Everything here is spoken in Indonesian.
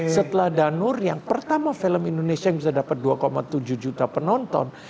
setelah danur yang pertama film indonesia yang bisa dapat dua tujuh juta penonton